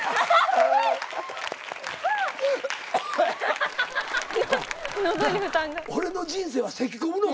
俺の人生はせきこむのか？